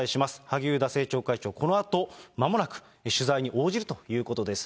萩生田政調会長、このあと、まもなく取材に応じるということです。